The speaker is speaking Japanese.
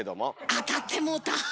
当たってもうた。